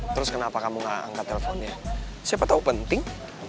terus kenapa kamu gak angkat teleponnya siapa tahu penting